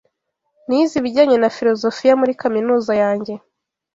Nize ibijyanye na filozofiya muri kaminuza yanjye.